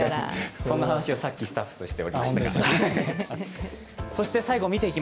そんな話をさっきスタッフとしておりました。